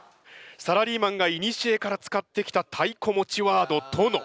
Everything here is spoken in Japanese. サラリーマンがいにしえから使ってきたたいこ持ちワードトノ。